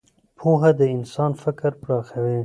پوهه د انسان فکر پراخوي.